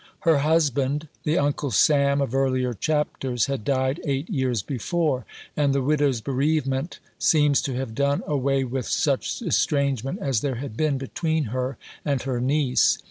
Her husband, the "Uncle Sam" of earlier chapters, had died eight years before; and the widow's bereavement seems to have done away with such estrangement as there had been between her and her niece.